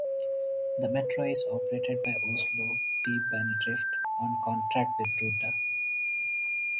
The metro is operated by Oslo T-banedrift on contract with Ruter.